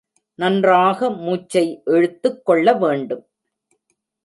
நன்றாக மூச்சை இழுத்துக் கொள்ள வேண்டும்.